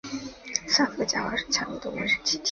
三氟甲烷是强力的温室气体。